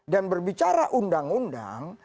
dan berbicara undang undang